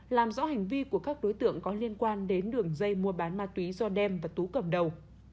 làm rõ hành vi của các đối tượng có liên quan đến đường dây mua bán ma túy do đem và tú cầm đầu